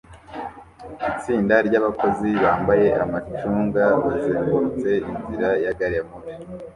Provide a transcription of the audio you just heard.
Itsinda ryabakozi bambaye amacunga bazengurutse inzira ya gari ya moshi